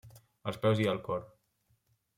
Als peus hi ha el cor.